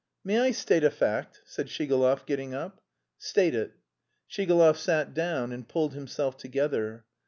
"May I state a fact?" said Shigalov, getting up. "State it." Shigalov sat down and pulled himself together.